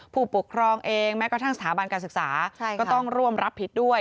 ผู้ปกครองเองแม้กระทั่งสถาบันการศึกษาก็ต้องร่วมรับผิดด้วย